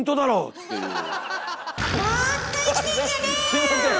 すみません！